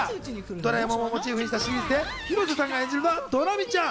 ドラえもんをモチーフにしたシリーズで、広瀬さんが演じるのはドラミちゃん。